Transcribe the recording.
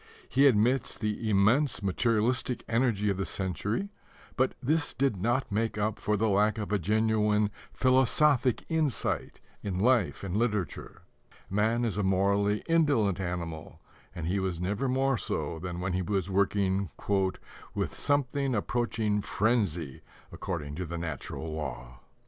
He admits the immense materialistic energy of the century, but this did not make up for the lack of a genuine philosophic insight in life and literature. Man is a morally indolent animal, and he was never more so than when he was working "with something approaching frenzy according to the natural law."